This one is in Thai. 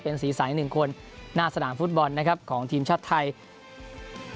เป็นสีใสหนึ่งคนหน้าสนามฟุตบอลนะครับของทีมชาติไทย